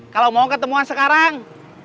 kalau mau ketemuan sekarang